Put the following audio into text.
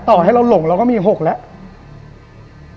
ต่อให้เราหลงเราก็มี๖แล้ว